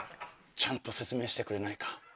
ちゃんと説明してくれないか？